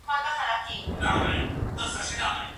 اصلي موضوع مو له ذهن څخه ونه وځي.